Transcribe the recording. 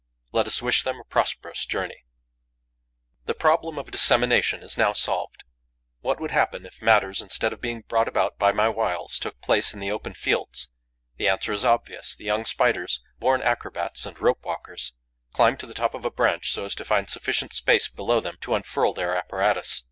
Let us wish them a prosperous journey. The problem of dissemination is now solved. What would happen if matters, instead of being brought about by my wiles, took place in the open fields? The answer is obvious. The young Spiders, born acrobats and rope walkers, climb to the top of a branch so as to find sufficient space below them to unfurl their apparatus.